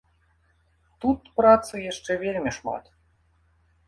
Тут працы яшчэ вельмі шмат.